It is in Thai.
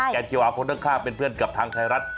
คิวอาร์คนข้างเป็นเพื่อนกับทางไทยรัฐ